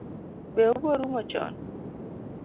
Be obo rumo chon?